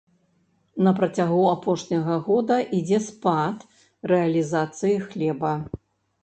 На працягу апошняга года ідзе спад рэалізацыі хлеба.